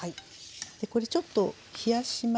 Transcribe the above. これちょっと冷やしますね。